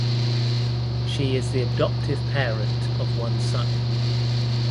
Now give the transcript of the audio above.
She is the adoptive parent of one son.